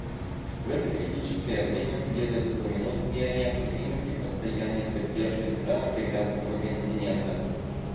В это критическое время следует упомянуть и о необходимости постоянной поддержки стран африканского континента.